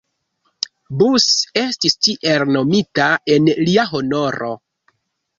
Bus, estis tiel nomita en lia honoro.